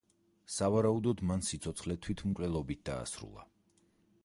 სავარაუდოდ, მან სიცოცხლე თვითმკვლელობით დაასრულა.